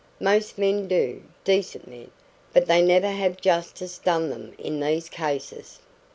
Most men do decent men; but they never have justice done them in these cases."